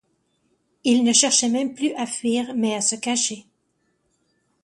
Il ne cherchait même plus à fuir, mais à se cacher.